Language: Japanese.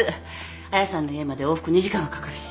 亜矢さんの家まで往復２時間はかかるし。